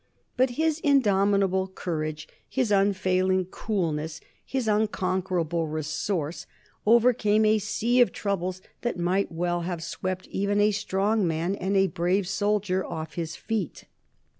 But his indomitable courage, his unfailing coolness, his unconquerable resource overcame a sea of troubles that might well have swept even a strong man and a brave soldier off his feet.